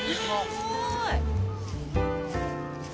すごい！